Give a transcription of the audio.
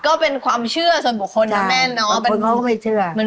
ก็เป็นความเชื่อส่วนบุคคลนะแม่เนาะ